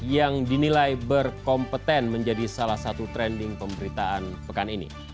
yang dinilai berkompeten menjadi salah satu trending pemberitaan pekan ini